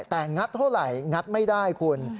แต่งัดเท่าไหร่งัดไม่ได้คุณ